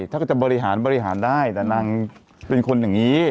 ถ้าก็จะบริหารบริหารได้แต่นางเป็นคนอย่างนี้